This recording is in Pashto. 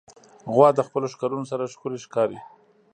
غوا د خپلو ښکرونو سره ښکلي ښکاري.